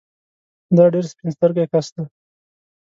دا ډېر سپين سترګی کس دی